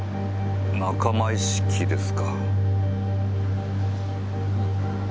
仲間意識ですか。